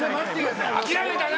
諦めたな？